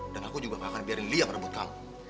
dan aku juga gak akan biarin lia merebut kamu